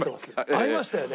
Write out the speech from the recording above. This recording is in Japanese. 会いましたよね？